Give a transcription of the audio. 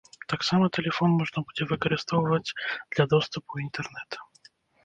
Таксама тэлефон можна будзе выкарыстоўваць для доступу ў інтэрнэт.